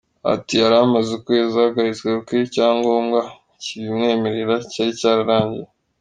Ati “Yari amaze ukwezi ahagaritswe kuko icyangombwa kibimwemerera cyari cyararangiye.